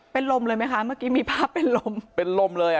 เป็นลมเลยมั้ยคะเมื่อกี้มีภาพเป็นลม